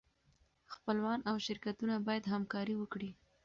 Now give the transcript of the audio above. خپلوان او شرکتونه باید همکاري وکړي.